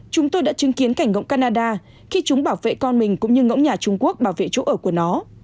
chúng tôi đã chứng kiến cảnh ngộng canada khi chúng bảo vệ con mình cũng như ngỗng nhà trung quốc bảo vệ chỗ ở của nó